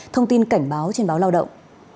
thông tin cảnh báo trên báo lao động